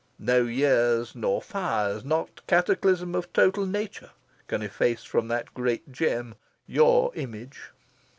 No years, nor fires, nor cataclysm of total Nature, can efface from that great gem your image."